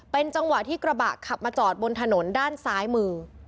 เป็นจังหวะที่กระบะขับมาจอดบนถนนด้านซ้ายมือ